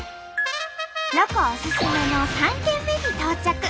ロコおすすめの３軒目に到着。